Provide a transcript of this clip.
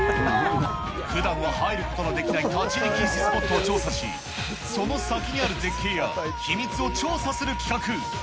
ふだんは入ることのできない立ち入り禁止スポットを調査し、その先にある絶景や、秘密を調査